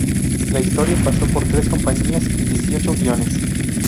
La historia pasó por tres compañías y dieciocho guiones.